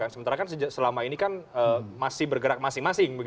sementara kan selama ini kan masih bergerak masing masing